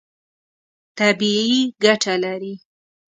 طبیعي ګټه لري.